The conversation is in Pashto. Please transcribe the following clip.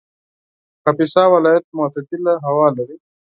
کاپیسا ولایت معتدله هوا لري